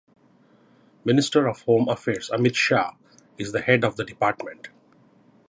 Minister of Home Affairs Amit Shah is the head of the department.